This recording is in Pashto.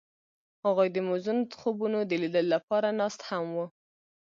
هغوی د موزون خوبونو د لیدلو لپاره ناست هم وو.